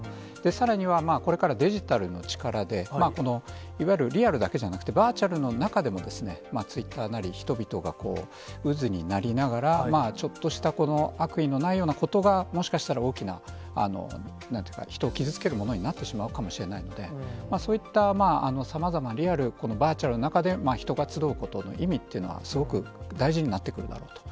さらには、これからデジタルの力で、いわゆるリアルだけじゃなくて、バーチャルの中でも、ツイッターなり人々がこう、渦になりながら、ちょっとした悪意のないようなことが、もしかしたら大きな、なんていうか、人を傷つけるものになってしまうかもしれないので、そういったさまざま、リアル、バーチャルの中で人が集うことの意味っていうのは、すごく大事になってくるだろうと。